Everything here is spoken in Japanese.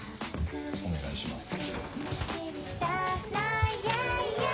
お願いします。